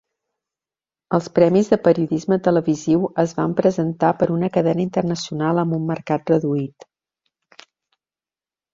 Els premis de periodisme televisiu es van presentar per una cadena internacional amb un mercat reduït.